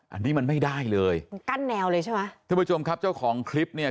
อันนี้มันไม่ได้เลยมันกั้นแนวเลยใช่ไหมท่านผู้ชมครับเจ้าของคลิปเนี่ย